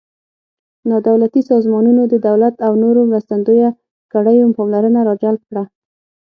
نا دولتي سازمانونو د دولت او نورو مرستندویه کړیو پاملرنه را جلب کړه.